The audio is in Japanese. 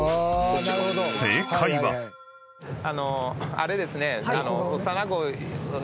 あれですね。